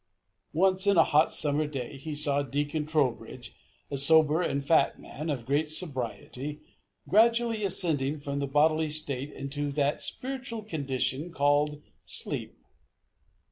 Once, in a hot summer day, he saw Deacon Trowbridge, a sober and fat man, of great sobriety, gradually ascending from the bodily state into that spiritual condition called sleep.